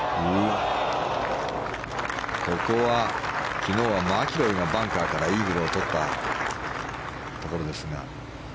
ここは昨日はマキロイがバンカーからイーグルを取ったところですが。